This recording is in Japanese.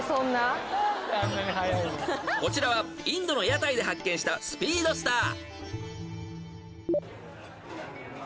［こちらはインドの屋台で発見したスピードスター］